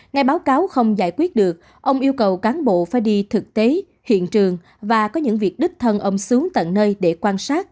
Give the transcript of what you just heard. ngay báo cáo không giải quyết được ông yêu cầu cán bộ phải đi thực tế hiện trường và có những việc đích thân ông xuống tận nơi để quan sát